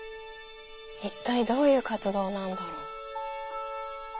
一体どういう活動なんだろう。